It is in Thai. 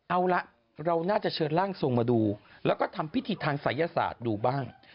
เอาละเราน่าจะเชิญร่างทรงมาดูแล้วก็ทำพิธีทางศัยศาสตร์ดูบ้าง